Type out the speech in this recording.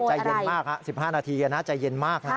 ใจเย็นมาก๑๕นาทีนะใจเย็นมากนะ